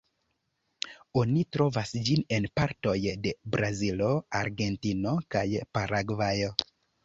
Oni trovas ĝin en partoj de Brazilo, Argentino kaj Paragvajo.